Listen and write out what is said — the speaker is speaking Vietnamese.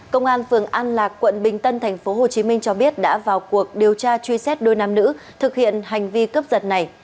công an phường an lạc quận bình tân tp hcm cho biết đã vào cuộc điều tra truy xét đôi nam nữ thực hiện hành vi cướp giật này